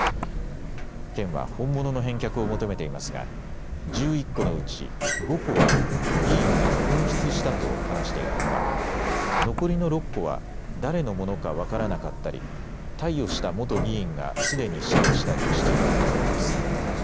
県は本物の返却を求めていますが１１個のうち５個は議員が紛失したと話しているほか残りの６個は誰のものか分からなかったり貸与した元議員がすでに死去したりしているということです。